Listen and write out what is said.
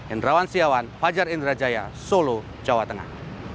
indrawan setiawan fajar indrajaya solo jawa tengah